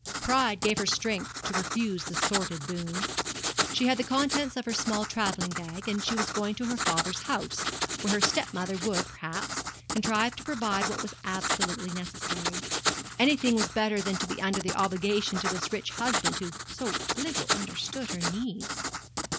Pride gave her strength to refuse the sordid boon. She had the contents of her small travelling bag, and she was going to her father's house, where her step mother would, perhaps, contrive to provide what was absolutely necessary. Anything was better than to be under an obligation to this rich husband who so little understood her needs.